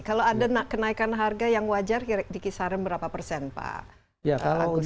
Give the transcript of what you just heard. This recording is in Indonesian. kalau ada kenaikan harga yang wajar di kisaran berapa persen pak agus